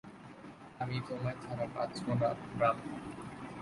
আমি তোমায় ছাড়া বাঁচব না, রাম।